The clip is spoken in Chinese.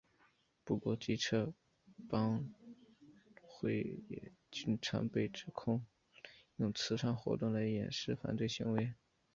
不过机车帮会也经常被指控利用慈善活动来掩饰犯罪行为。